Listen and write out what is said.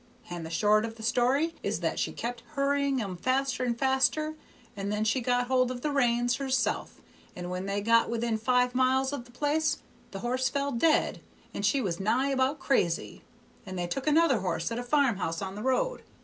And the short of the story is that she kept hurrying 'em faster and faster, and then she got hold of the reins herself, and when they got within five miles of the place the horse fell dead, and she was nigh about crazy, and they took another horse at a farm house on the road.